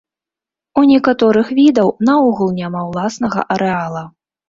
У некаторых відаў наогул няма ўласнага арэала.